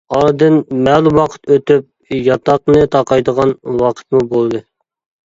ئارىدىن مەلۇم ۋاقىت ئۆتۈپ ياتاقنى تاقايدىغان ۋاقىتمۇ بولدى.